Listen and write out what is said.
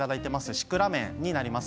シクラメンになります。